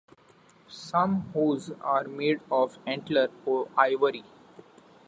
Some hoes are made of antler or ivory.